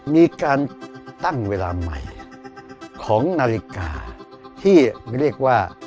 มีการตั้งเวลาใหม่ของนาฬิกาที่เรียกว่า